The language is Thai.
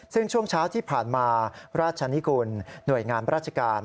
ซึ่งช่วงเช้าที่ผ่านมาราชนิกุลหน่วยงานราชการ